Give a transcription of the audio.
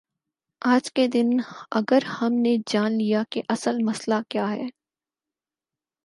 آج کے دن اگر ہم نے جان لیا کہ اصل مسئلہ کیا ہے۔